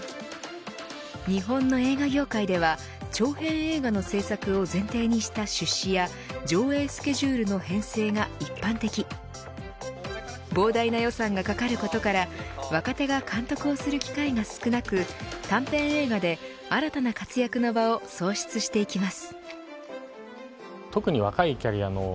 日本の映画業界では長編映画の制作を前提にした出資や上映スケジュールの編成が一般的膨大な予算がかかることから若手が監督をする機会が少なく短編映画で新たな活躍の場を創出していきます。